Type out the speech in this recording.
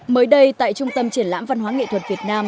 mới đây tại trung tâm triển lãm văn hóa nghệ thuật việt nam